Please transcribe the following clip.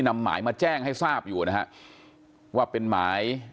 นำหมายมาแจ้งให้ทราบอยู่นะฮะว่าเป็นหมาย